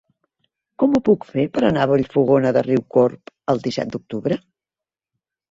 Com ho puc fer per anar a Vallfogona de Riucorb el disset d'octubre?